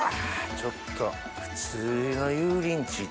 ちょっと普通の油淋鶏と違う。